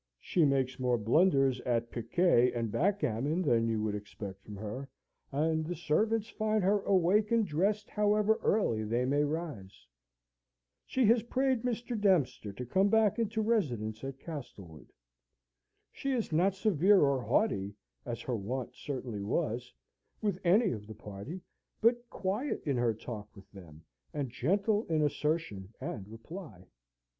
She makes more blunders at piquet and backgammon than you would expect from her; and the servants find her awake and dressed, however early they may rise. She has prayed Mr. Dempster to come back into residence at Castlewood. She is not severe or haughty (as her wont certainly was) with any of the party, but quiet in her talk with them, and gentle in assertion and reply.